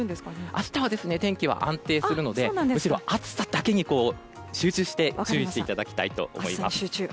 明日は天気は安定するのでむしろ暑さだけに集中して注意していただきたいと思います。